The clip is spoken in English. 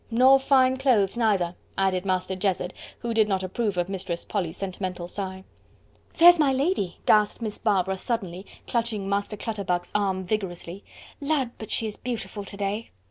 "Nor fine clothes neither," added Master Jezzard, who did not approve of Mistress Polly's sentimental sigh. "There's my lady!" gasped Miss Barbara suddenly, clutching Master Clutterbuck's arm vigorously. "Lud! but she is beautiful to day!"